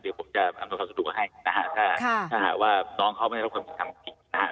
เดี๋ยวผมจะอำนวยความสะดวกให้นะฮะถ้าถ้าหากว่าน้องเขาไม่ได้รับความผิดทำผิดนะฮะ